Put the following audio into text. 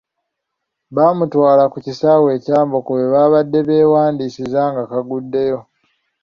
Bamutwala ku kisaawe e Kyambogo we babadde beewandiisiza ngakaguddeyo.